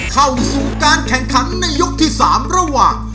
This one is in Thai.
เข้าสู่การแข่งขันในยกที่๓ระหว่าง